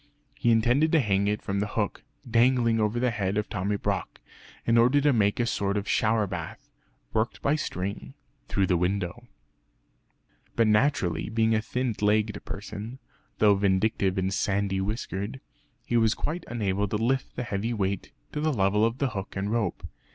He intended to hang it from the hook, dangling over the head of Tommy Brock, in order to make a sort of shower bath, worked by a string, through the window. But naturally being a thin legged person (though vindictive and sandy whiskered) he was quite unable to lift the heavy weight to the level of the hook and rope.